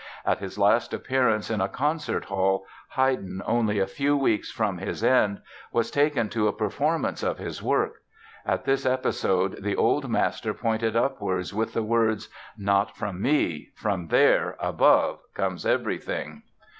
At his last appearance in a concert hall, Haydn, only a few weeks from his end, was taken to a performance of his work. At this episode the old master pointed upwards with the words "Not from me—from there, above, comes everything!"